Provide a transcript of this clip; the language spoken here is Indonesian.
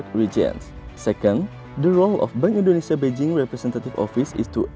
kedua peran bank indonesia beijing representatif office adalah